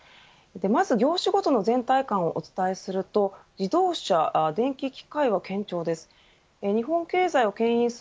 まず業種ごとの全体観をお伝えすると自動車、電気機械は堅調です。